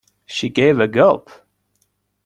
She gave a gulp.